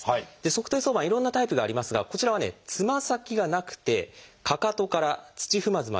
足底挿板いろんなタイプがありますがこちらはつま先がなくてかかとから土踏まずまでのタイプ。